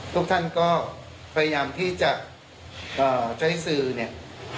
ทุกท่านก็พยายามที่จะใช้สื่อเนี่ย